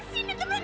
aih aih aih